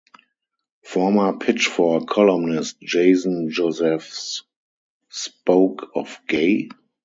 Former Pitchfork columnist Jason Josephes spoke of gay?